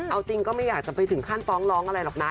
เอาจริงก็ไม่อยากจะไปถึงขั้นฟ้องร้องอะไรหรอกนะ